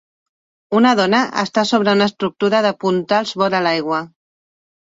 Una dona està sobre una estructura de puntals vora l'aigua.